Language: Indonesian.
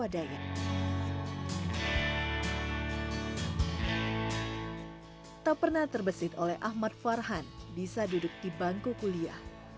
tak pernah terbesit oleh ahmad farhan bisa duduk di bangku kuliah